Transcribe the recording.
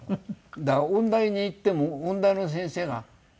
だから音大に行っても音大の先生が知らなくて。